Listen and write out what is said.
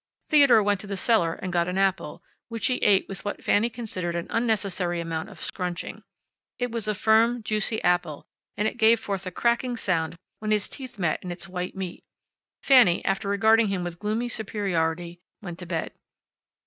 Theodore went to the cellar and got an apple, which he ate with what Fanny considered an unnecessary amount of scrunching. It was a firm, juicy apple, and it gave forth a cracking sound when his teeth met in its white meat. Fanny, after regarding him with gloomy superiority, went to bed.